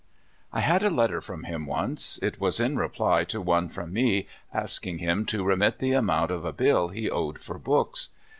I had a letter from him once. It w^as in reply to one from me asking him to remit the amount of a bill he owed for books.